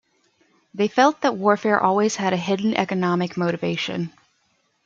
They felt that warfare always had a hidden economic motivation.